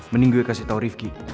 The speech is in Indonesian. mending gue kasih tau rifki